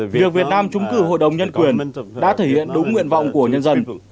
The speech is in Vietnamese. việc việt nam trúng cử hội đồng nhân quyền đã thể hiện đúng nguyện vọng của nhân dân